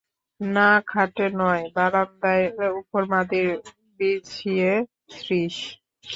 না, খাটে নয়, বারান্দার উপর মাদুর বিছিয়ে– শ্রীশ।